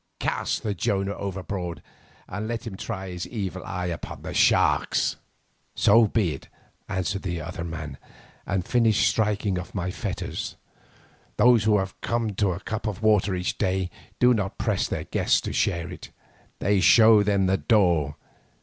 Cast the Jonah overboard and let him try his evil eye upon the sharks." "So be it," answered the other man, and finished striking off my fetters. "Those who have come to a cup of water each a day, do not press their guests to share it. They show them the door.